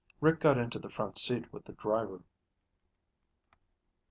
Rick got into the front seat with the driver.